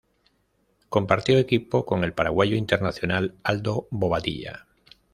Compartió equipo con el paraguayo internacional Aldo Bobadilla.